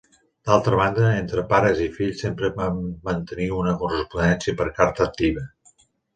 D'altra banda, entre pares i fill sempre van mantenir una correspondència per carta activa.